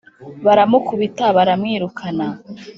baramukubita, baramwirukana,